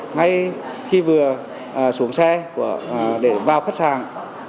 ngay khi vừa xuống xe để vào khách hàng